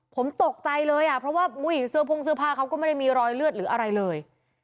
ผมตกใจเลยอ่ะเพราะว่าอุ้ยเสื้อพ่งเสื้อผ้าเขาก็ไม่ได้มีรอยเลือดหรืออะไรเลย